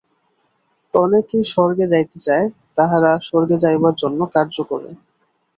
অনেকে স্বর্গে যাইতে চায়, তাহারা স্বর্গে যাইবার জন্য কার্য করে।